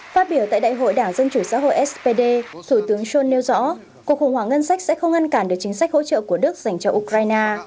phát biểu tại đại hội đảng dân chủ xã hội spd thủ tướng sol nêu rõ cuộc khủng hoảng ngân sách sẽ không ngăn cản được chính sách hỗ trợ của đức dành cho ukraine